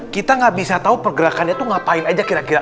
kita gak bisa tahu pergerakannya itu ngapain aja kira kira